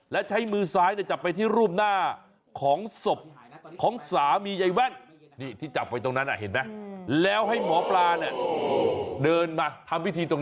และใช้มือซ้ายเนี่ยจับไปที่รูปหน้าของศพของสามีใยแว่นนี่ที่จับไปตรงนั้นหนะเห็นไหม